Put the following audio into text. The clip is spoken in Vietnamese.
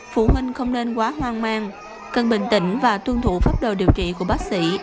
phụ huynh không nên quá hoang mang cần bình tĩnh và tuân thủ pháp đồ điều trị của bác sĩ